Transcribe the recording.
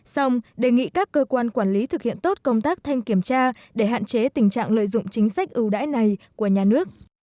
xong đề nghị các cơ quan quản lý thực hiện tốt công tác thanh kiểm tra để hạn chế tình trạng lợi dụng chính sách ưu đãi này của nhà nước